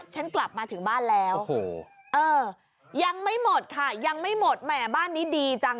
ฉันกลับมาถึงบ้านแล้วยังไม่หมดค่ะยังไม่หมดแหมบ้านนี้ดีจัง